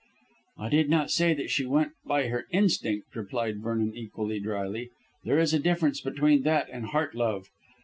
"I did not say that she went by her instinct," replied Vernon equally drily; "there is a difference between that and heart love.